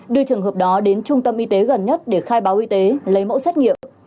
đưa trường hợp đó đến trung tâm y tế gần nhất để khai báo y tế lấy mẫu xét nghiệm